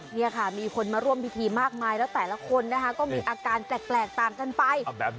นี่ค่ะมีคนมาร่วมพิธีมากมายแล้วแต่ละคนนะคะก็มีอาการแปลกต่างกันไป